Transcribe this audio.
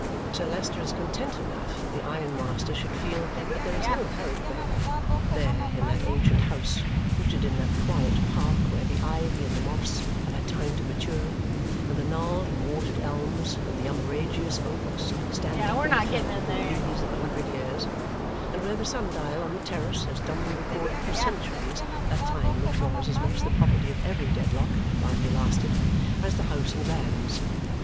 Sir Leicester is content enough that the ironmaster should feel that there is no hurry there; there, in that ancient house, rooted in that quiet park, where the ivy and the moss have had time to mature, and the gnarled and warted elms and the umbrageous oaks stand deep in the fern and leaves of a hundred years; and where the sun dial on the terrace has dumbly recorded for centuries that time which was as much the property of every Dedlock while he lasted as the house and lands.